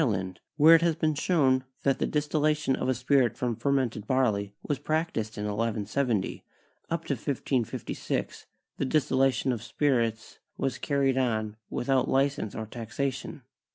land, where it has been shown that the distillation of a spirit from fermented barley was practiced in 1170, up to 1556 the distillation of spirits was carried on without li cense or taxation.